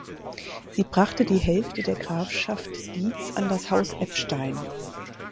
Sie brachte die Hälfte der Grafschaft Diez an das Haus Eppstein.